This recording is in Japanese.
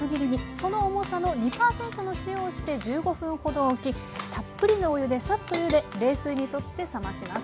その重さの２％の塩をして１５分ほどおきたっぷりのお湯でサッとゆで冷水に取って冷まします。